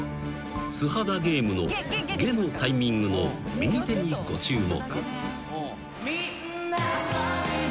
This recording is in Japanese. ［「素肌ゲーム」の「ゲ」のタイミングの右手にご注目］